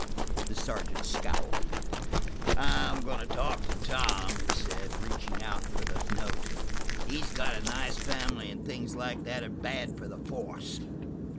The sergeant scowled. "I'm goin' to talk to Tom," he said, reaching out for the note. "He's got a nice family, and things like that're bad for the force."